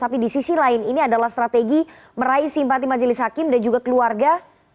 tapi di sisi lain ini adalah strategi meraih simpati majelis hakim dan juga keluarga